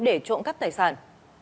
để trộn các tài sản